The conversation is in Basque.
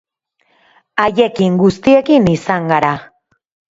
Haiekin guztiekin izan gara.